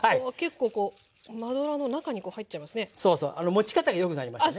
持ち方が良くなりましたね。